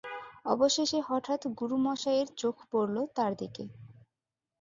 অবশেষে হঠাৎ গুরুমশায়ের চোখ পড়ল তার দিকে।